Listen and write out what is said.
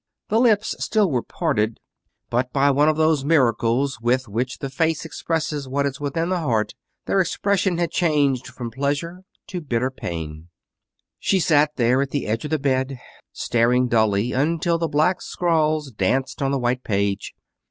The lips still were parted, but by one of those miracles with which the face expresses what is within the heart their expression had changed from pleasure to bitter pain. She sat there, at the edge of the bed, staring dully until the black scrawls danced on the white page.